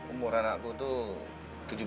umur anakku itu tujuh belas tahun